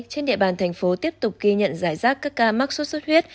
trên địa bàn thành phố tiếp tục ghi nhận giải rác các ca mắc sốt xuất huyết